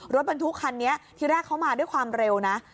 รถบรรทุกคันนี้ที่แรกเขามาด้วยความเร็วนะ